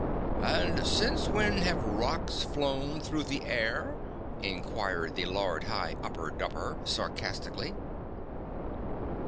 "And since when have rocks flown through the air?" inquired the Lord High Upper Dupper sarcastically.